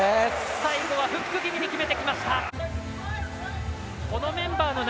最後はフック気味に決めてきました。